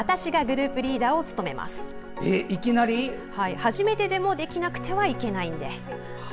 初めてでもできなくてはいけないので。